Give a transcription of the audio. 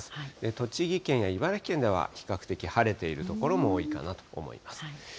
栃木県や茨城県では、比較的晴れている所も多いかなと思います。